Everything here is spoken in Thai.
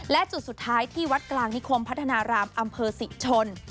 และจุดสุดท้ายที่วัดกลางนิคมพัฒนารามอำเภอศรีชน